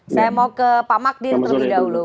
saya mau ke pak magdir terlebih dahulu